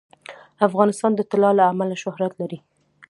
افغانستان د طلا له امله شهرت لري.